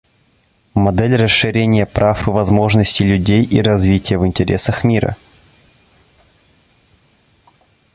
Модель расширения прав и возможностей людей и развития в интересах мира.